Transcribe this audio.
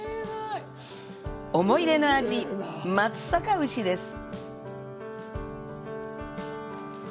思い出の味、松阪牛です。